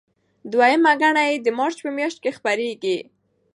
دویمه ګڼه یې د مارچ په میاشت کې خپریږي.